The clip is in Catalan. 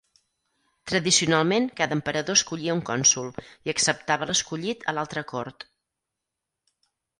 Tradicionalment cada emperador escollia un cònsol i acceptava l'escollit a l'altra cort.